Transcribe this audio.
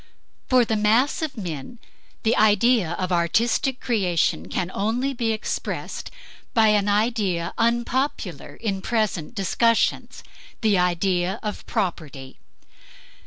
For the mass of men the idea of artistic creation can only be expressed by an idea unpopular in present discussions the idea of property.